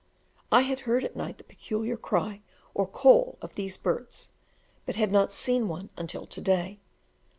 I had heard at night the peculiar cry or call of these birds, but had not seen one until to day.